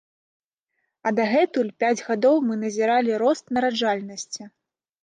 А дагэтуль пяць гадоў мы назіралі рост нараджальнасці.